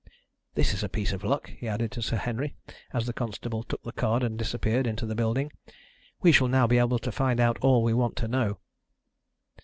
This is a piece of luck," he added to Sir Henry, as the constable took the card and disappeared into the building. "We shall now be able to find out all we want to know."